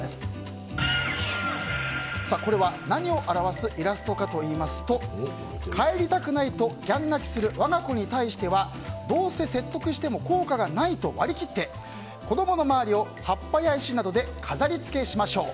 これは何を表すイラストかといいますと帰りたくないとギャン泣きする我が子に対してはどうせ説得しても効果がないと割り切って子供の周りを葉っぱや石などで飾りつけしましょう。